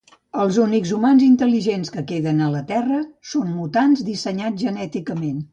Els únics humans intel·ligents que queden la Terra són mutants dissenyats genèticament